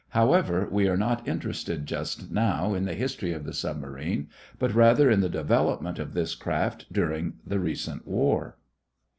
However, we are not interested, just now, in the history of the submarine, but rather in the development of this craft during the recent war.